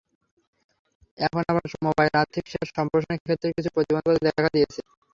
এখন আবার মোবাইল আর্থিক সেবার সম্প্রসারণের ক্ষেত্রে কিছু প্রতিবন্ধকতা দেখা দিয়েছে।